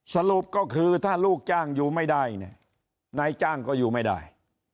สรุปก็คือถ้าลูกจ้างอยู่ไม่ได้เนี่ยนายจ้างก็อยู่ไม่ได้